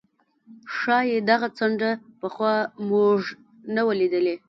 ښايي دغه څنډه پخوا موږ نه وه لیدلې.